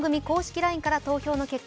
ＬＩＮＥから投票の結果